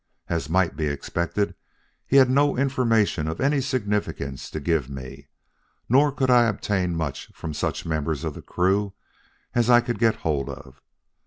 As might be expected, he had no information of any significance to give me; nor could I obtain much from such members of the crew as I could get hold of.